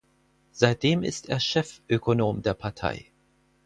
Seitdem ist er Chefökonom der Partei.